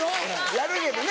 やるけどね。